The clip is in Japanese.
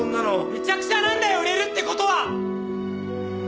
めちゃくちゃなんだよ売れるって事は！